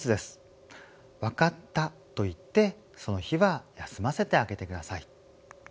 「わかった」と言ってその日は休ませてあげてください。